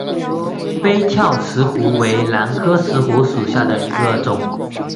杯鞘石斛为兰科石斛属下的一个种。